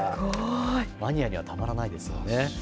マニアにはたまらないですよね。